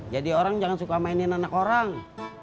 jadi orang jangan suka mainin anak orang